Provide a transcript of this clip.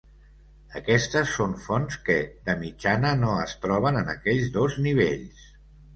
Aquestes són fonts que, de mitjana, no es troben en aquells dos nivells.